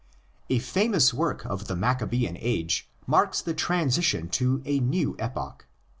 A famous work of the Maccabean age marks the transition to a new epoch.